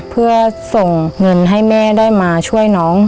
เพื่อส่งเงินให้แม่ได้มาช่วยน้อง